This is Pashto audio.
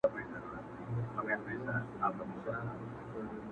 چي له غله سره د کور د سړي پل وي٫